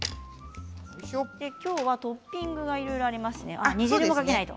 今日はトッピングがいろいろありますね。